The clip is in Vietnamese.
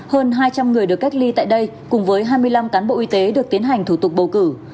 hơn hai trăm linh người được cách ly tại đây cùng với hai mươi năm cán bộ y tế được tiến hành thủ tục bầu cử